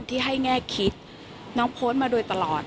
ที่ให้แง่คิดน้องโพสต์มาโดยตลอด